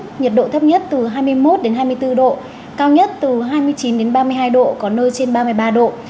nhiệt độ thấp nhất từ hai mươi một hai mươi bốn độ cao nhất từ hai mươi chín ba mươi hai độ có nơi trên ba mươi ba độ